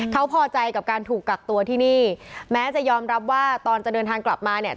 เขาพอใจกับการถูกกักตัวที่นี่แม้จะยอมรับว่าตอนจะเดินทางกลับมาเนี่ย